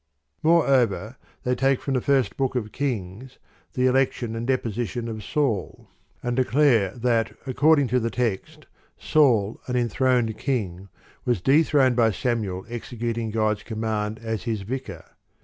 I . Moreover, they take from the first book of Kings the election and deposition of Saul, Ch. VI] DE MONARCHIA 159 and declare that, according to the text, Saul, an enthroned king, was dethroned by Samuel ex ecuting God's command as His Vicar.'